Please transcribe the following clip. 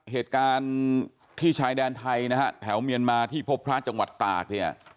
เหตุการณ์ที่ชายแดนไทยนะฮะแถวเมียนมาที่พบพระจังหวัดตากเนี่ย